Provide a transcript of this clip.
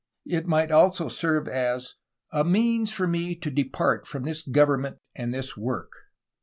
It might also serve as "a means for me to depart from this government and this work."